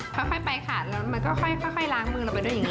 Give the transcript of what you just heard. สัตว์ตอนต่อไปก็คือ